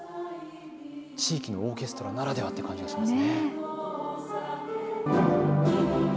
地域のオーケストラならではという感じがしますね。